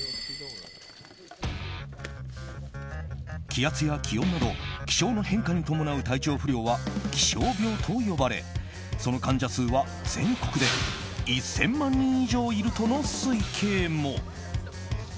気圧や気温など気象の変化に伴う体調不良は気象病と呼ばれその患者数は、全国で１０００万人以上いるとの推計も。